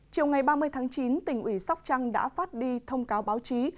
chiều ngày ba mươi tháng chín tỉnh ủy sóc trăng đã phát đi thông cáo báo chí